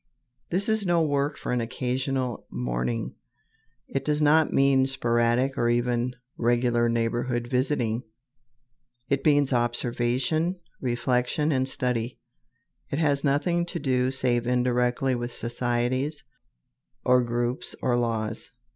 This is no work for an occasional morning. It does not mean sporadic or even regular "neighborhood visiting." It means observation, reflection, and study. It has nothing to do save indirectly with societies, or groups, or laws.